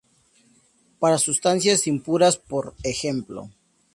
Para sustancias impuras, por ej.